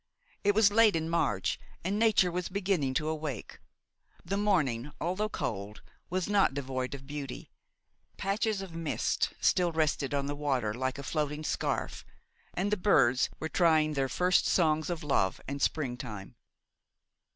It was late in March and nature was beginning to awake; the morning, although cold, was not devoid of beauty; patches of mist still rested on the water like a floating scarf, and the birds were trying their first songs of love and springtime.